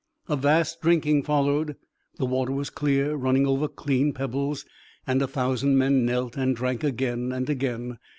A vast drinking followed. The water was clear, running over clean pebbles, and a thousand men knelt and drank again and again.